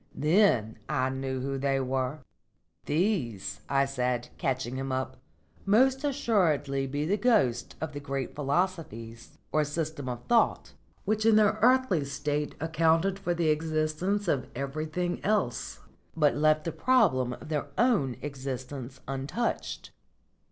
Then I knew who they were." "These," I said, catching him up, "must assuredly be the ghosts of the great philosophies, or systems of thought, which in their earthly state accounted for the existence of everything else, but left the problem of their own existence untouched."